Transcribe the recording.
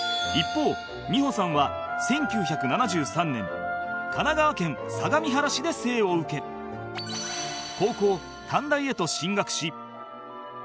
一方美穂さんは１９７３年神奈川県相模原市で生を受け高校短大へと進学し